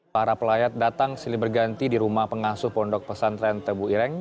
para pelayat datang silih berganti di rumah pengasuh pondok pesantren tebu ireng